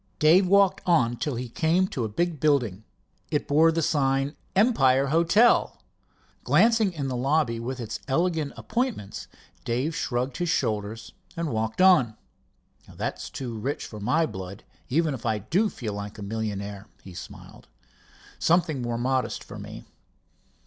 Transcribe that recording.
Dave walked on till he came to a big building. It bore the sign: "Empire Hotel." Glancing in at the lobby with its elegant appointments Dave shrugged his shoulders and walked on. "That's too rich for my blood, even if I do feel like a millionaire," he smiled. "Something more modest for me."